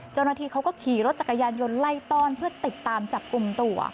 เจ้าหน้าที่เขาก็ขี่รถจักรยานยนต์ไล่ต้อนเพื่อติดตามจับกลุ่มตัว